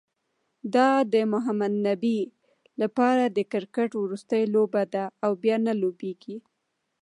دا د محمد نبي لپاره د کرکټ وروستۍ لوبه ده، او بیا نه لوبیږي